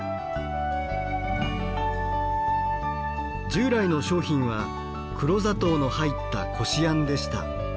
従来の商品は黒砂糖の入ったこしあんでした。